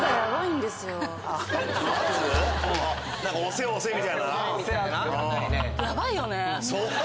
何か押せ押せみたいな？